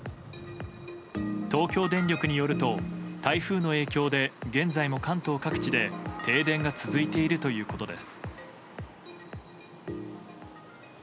東京電力によると台風の影響で現在も関東各地で停電が続いているということです。